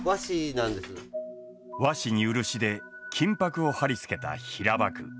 和紙に漆で金箔を貼り付けた平箔。